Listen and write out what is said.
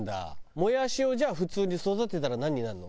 もやしをじゃあ普通に育てたらなんになるの？